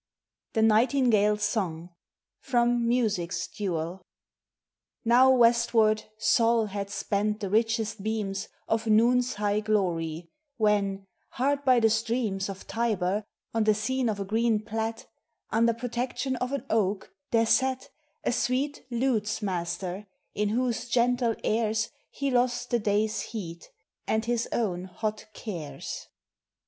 THE NIGHTINGALE'S SONG. FROM " MUSIC'S DUEL." Now westward Sol had spent the richest beams Of noon's high glory, when, hard by the streams Of Tiber, on the scene of a green plat, Under protection of an oak, there sat A sweet lute's master, in whose gentle airs He lost the day's heat and his own hot cares.